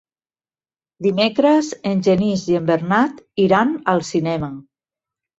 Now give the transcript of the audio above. Dimecres en Genís i en Bernat iran al cinema.